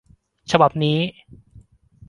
ฉบับนี้